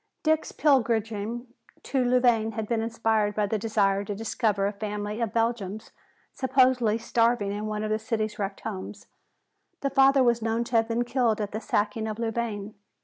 Dick's pilgrimage to Louvain had been inspired by the desire to discover a family of Belgians supposedly starving in one of the city's wrecked homes. The father was known to have been killed at the sacking of Louvain.